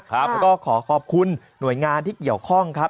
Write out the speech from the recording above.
แล้วก็ขอขอบคุณหน่วยงานที่เกี่ยวข้องครับ